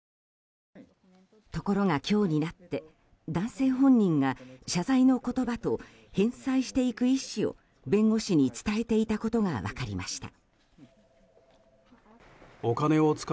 ところが今日になって男性本人が謝罪の言葉と返済していく意思を弁護士に伝えていたことが分かりました。